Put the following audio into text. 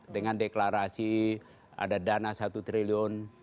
dengan deklarasi ada dana satu triliun